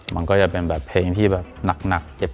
มันก็จะเป็นแบบเพลงที่แบบหนักเจ็บ